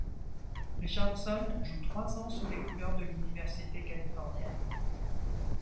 Richardson joue trois ans sous les couleurs de l'université californienne.